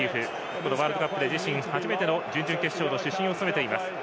このワールドカップで自身初めての準々決勝の主審を務めています。